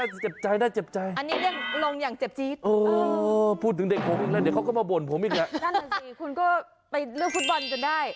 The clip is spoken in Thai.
นั่นแหละสิคุณก็ไปเลือกฟุตบอลกันได้